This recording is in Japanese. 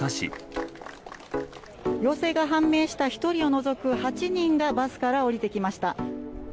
陽性が判明した１人を除く８人がバスから降りてきました。